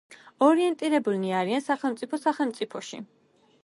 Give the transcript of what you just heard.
ორიენტირებულნი არიან სახელმწიფო სახელმწიფოში.